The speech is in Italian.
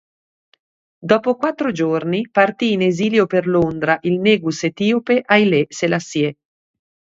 Dopo quattro giorni partì in esilio per Londra il negus etiope Hailé Selassié.